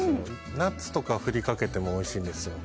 ナッツとか振りかけてもおいしいんですよ。